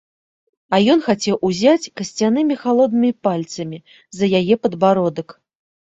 А ён хацеў узяць касцянымі халоднымі пальцамі за яе падбародак.